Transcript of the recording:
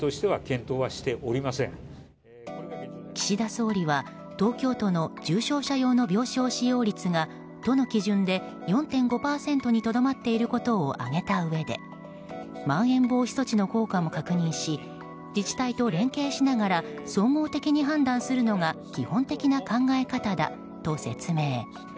岸田総理は、東京都の重症者用の病床使用率が都の基準で４．５％にとどまっていることを挙げたうえでまん延防止措置の効果も確認し自治体と連携しながら総合的に判断するのが基本的な考え方だと説明。